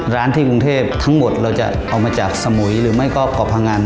ร้านที่กรุงเทพทั้งหมดเราจะเอามาจากสมุยหรือไม่ก็เกาะพังอัน